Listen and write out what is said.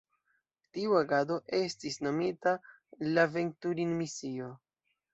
Tiu agado estis nomita la Venturini-misio.